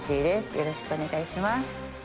よろしくお願いします